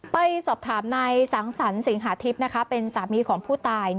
ไปสอบถามนายสังสรรสิงหาทิพย์เป็นสามีของผู้ตาย